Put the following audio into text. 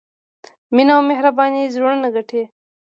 مینه او مهرباني زړونه ګټي.